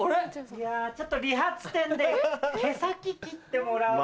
いやちょっと理髪店で毛先切ってもらおうっと。